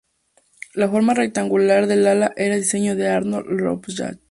La forma rectangular del ala era diseño de Adolf Rohrbach.